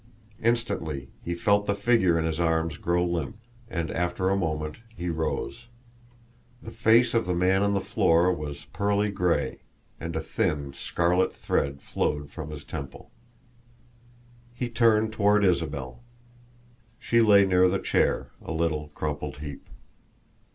Instantly he felt the figure in his arms grow limp; and after a moment he rose. The face of the man on the floor was pearly gray; and a thin, scarlet thread flowed from his temple. [Illustration: In a stride Mr. Grimm was beside her.] He turned toward Isabel. She lay near the chair, a little crumpled heap.